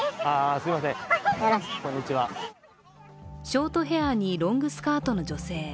ショートヘアにロングスカートの女性。